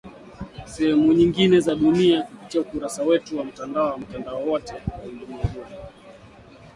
Sehemu nyingine za dunia kupitia ukurasa wetu wa mtandao wa Mtandao Wote wa Ulimwenguni.